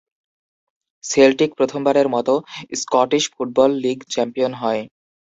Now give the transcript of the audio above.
Celtic প্রথমবারের মতো Scottish football league champion হয়।